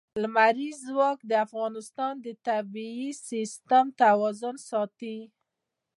لمریز ځواک د افغانستان د طبعي سیسټم توازن ساتي.